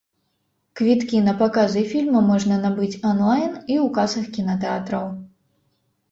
Квіткі на паказы фільма можна набыць анлайн і ў касах кінатэатраў.